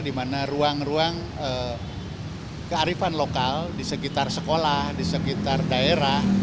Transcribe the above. di mana ruang ruang kearifan lokal di sekitar sekolah di sekitar daerah